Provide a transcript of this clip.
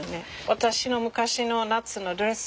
私の昔の夏のドレス。